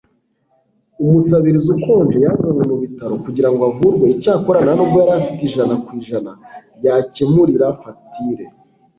Umusabirizi ukonje yazanywe mu bitaro kugira ngo avurwe Icyakora nta nubwo yari afite ijana ku ijana yakemurira fagitire